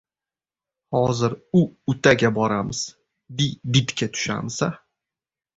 Hozir u- utaga boramiz. Di-ditga tushamiz-a?